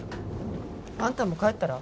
あんたも帰ったら？